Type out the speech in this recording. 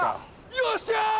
・よっしゃ！